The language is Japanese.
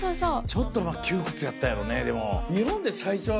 ちょっと窮屈やったやろねでも。